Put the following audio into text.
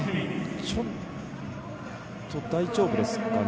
ちょっと大丈夫ですかね